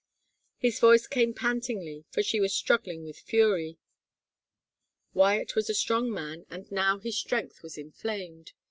His voice came pantingly for she was struggling with fury. Wyatt was a strong man and now his strength was inflamed.